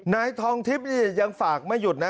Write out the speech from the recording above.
นายทองทิพย์นี่ยังฝากไม่หยุดนะ